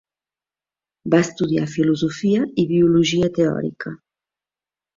Va estudiar filosofia i biologia teòrica.